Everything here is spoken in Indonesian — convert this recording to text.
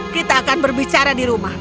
kita akan berbicara di rumah